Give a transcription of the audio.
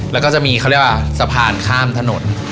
แล้วก็จะมีเขาเรียกว่าสะพานข้ามถนน